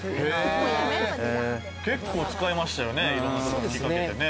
結構使いましたよね、いろんなところに吹きかけて。